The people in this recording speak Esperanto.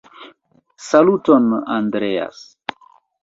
Saluton, Andreas!